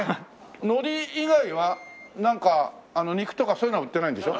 海苔以外はなんか肉とかそういうのは売ってないんでしょ？